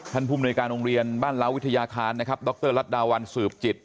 ภูมิในการโรงเรียนบ้านล้าวิทยาคารนะครับดรรัฐดาวัลสืบจิต